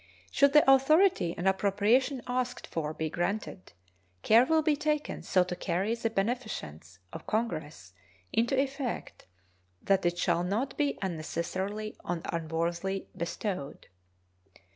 Should the authority and appropriation asked for be granted, care will be taken so to carry the beneficence of Congress into effect that it shall not be unnecessarily or unworthily bestowed.